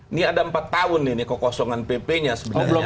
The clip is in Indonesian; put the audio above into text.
ini ada empat tahun nih kokosongan pp nya sebenarnya